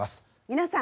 皆さん！